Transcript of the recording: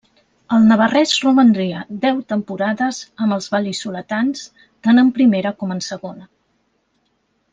El navarrès romandria deu temporades amb els val·lisoletans, tant en Primera com en Segona.